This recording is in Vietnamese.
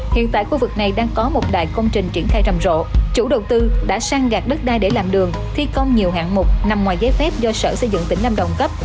hiện tại khu vực này đang có một đại công trình triển khai rầm rộ chủ đầu tư đã săn gạt đất đai để làm đường thi công nhiều hạng mục nằm ngoài giấy phép do sở xây dựng tỉnh lâm đồng cấp